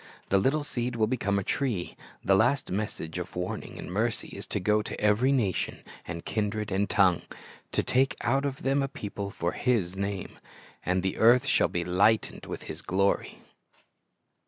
The little seed will become a tree. The last message of warning and mercy is to go to "every nation and kindred and tongue,"* "to take out of them a people for His name."* And the earth shall be lightened with His glory.